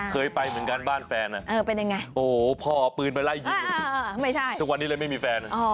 เคยไปเหมือนกันบ้านแฟนพ่อเอาปืนไปไล่ยิงทุกวันนี้เลยไม่มีแฟน